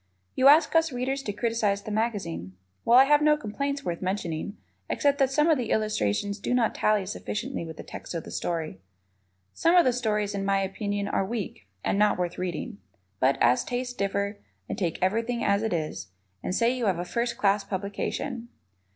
You ask us Readers to criticize the magazine. Well, I have no complaints worth mentioning, except that some of the illustrations do not tally sufficiently with the text of the story. Some of the stories, in my opinion, are weak and not worth reading. But, as tastes differ, I take everything as it is, and say you have a first class publication.